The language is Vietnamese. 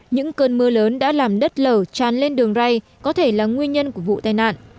những cơn mưa lớn đã làm đất lở tràn lên đường ray có thể là nguyên nhân của vụ tai nạn